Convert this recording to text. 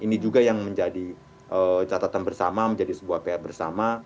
ini juga yang menjadi catatan bersama menjadi sebuah pr bersama